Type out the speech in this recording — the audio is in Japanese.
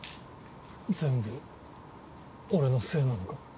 全部俺のせいなのか？